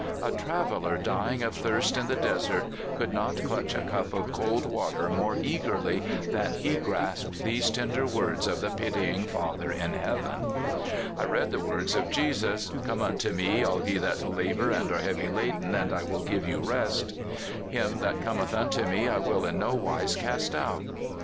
A traveler dying of thirst in the desert could not clutch a cup of cold water more eagerly than he grasped these tender words of the pitying Father in heaven. I read the words of Jesus: '* Come unto me, all ye that labor and are heavy laden, and I will give 3^ou rest." "Him that cometh unto me I will in no wise cast out."